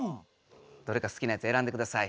どれか好きなやつ選んでください。